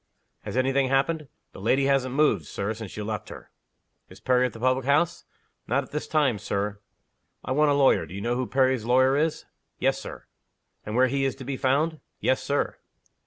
"Has any thing happened?" "The lady hasn't moved, Sir, since you left her." "Is Perry at the public house?" "Not at this time, Sir." "I want a lawyer. Do you know who Perry's lawyer is?" "Yes, Sir." "And where he is to be found?" "Yes, Sir."